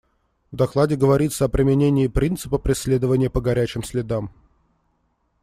В докладе говорится о применении принципа «преследования по горячим следам».